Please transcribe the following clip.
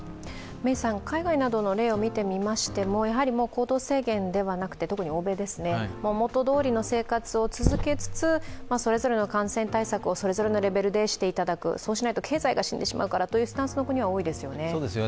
海外などの例をみてみましても、行動制限ではなくて特に欧米ですね、元どおりの生活を続けつつそれぞれの感染対策をそれぞれのレベルでしていただく、そうしないと経済が死んでしまうからというスタンスの国は多いですよね。